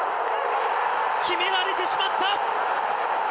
決められてしまった！